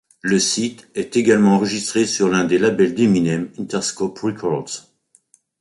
Le site est également enregistré sur l'un des labels d'Eminem, Interscope Records.